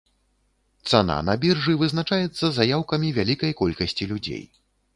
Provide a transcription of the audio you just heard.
Цана на біржы вызначаецца заяўкамі вялікай колькасці людзей.